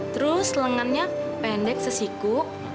terus lengannya pendek sesiku